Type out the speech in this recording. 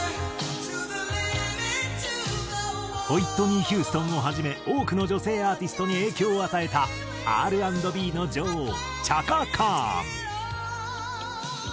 ホイットニー・ヒューストンを始め多くの女性アーティストに影響を与えたＲ＆Ｂの女王チャカ・カーン。